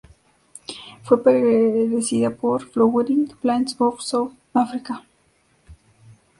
Fue precedida por "Flowering Plants of South Africa".